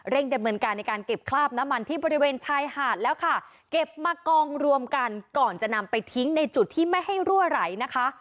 ดำเนินการในการเก็บคราบน้ำมันที่บริเวณชายหาดแล้วค่ะเก็บมากองรวมกันก่อนจะนำไปทิ้งในจุดที่ไม่ให้รั่วไหลนะคะ